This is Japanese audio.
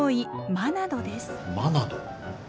マナド。